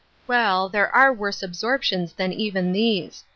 Well, there are worse absorptions than even these.